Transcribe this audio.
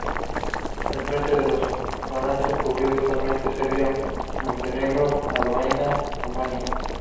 El Frente de los Balcanes cubrió totalmente Serbia, Montenegro, Albania y Rumania.